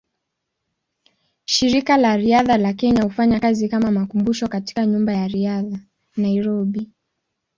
Shirika la Riadha la Kenya hufanya kazi kama makumbusho katika Nyumba ya Riadha, Nairobi.